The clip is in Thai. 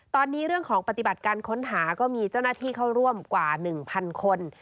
ตอนนี้เรื่องของปฏิบัติการค้นหาก็มีเจ้าหน้าที่เข้าร่วมกว่า๑๐๐คน